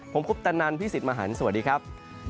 ผมคุปตะนันพี่สิทธิ์มหันฯสวัสดีครับ